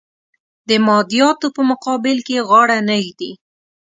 د مادیاتو په مقابل کې غاړه نه ږدي.